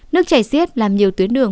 nước chảy xiết làm nhiều tuyến đường